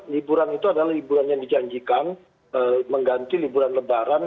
liburan itu adalah liburan yang dijanjikan mengganti liburan lebaran